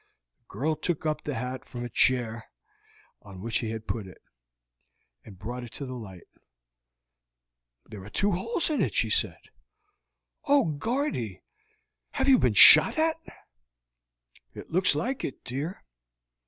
The girl took up the hat from a chair on which he had put it, and brought it to the light. "There are two holes in it," she said. "Oh, Guardy, have you been shot at?" "It looks like it, dear.